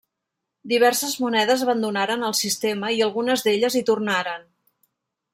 Diverses monedes abandonaren el sistema i algunes d'elles hi tornaren.